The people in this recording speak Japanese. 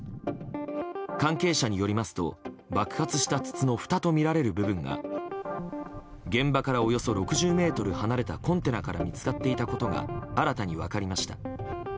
関係者によりますと爆発した筒のふたとみられる部分が現場から、およそ６０ｍ離れたコンテナから見つかっていたことが新たに分かりました。